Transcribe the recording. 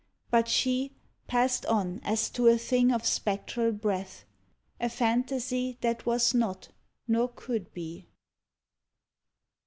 But she Passed on as to a thing of spectral breath, — A fantasy that was not nor could be.